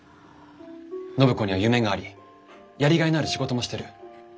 暢子には夢がありやりがいのある仕事もしてる。